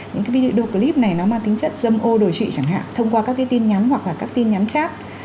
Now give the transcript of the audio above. những cái video clip này nó mang tính chất dâm ô đổi trụy chẳng hạn thông qua các cái tin nhắn hoặc là các tin nhắn chat